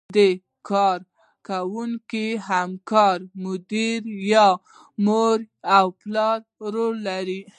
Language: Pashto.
د کار کوونکي، همکار، مدیر یا مور او پلار رول لرو.